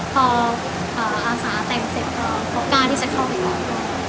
พออาสาแต่งเสร็จเขากล้าที่จะเข้าไปอีก